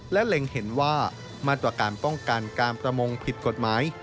และเล็งเห็นว่ามาตรการป้องกันการประมงผิดกฎหมาย